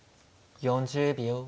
４０秒。